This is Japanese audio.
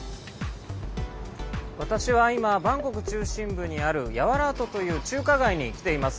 私は今バンコク中心部にあるヤワラートという中華街に来ています。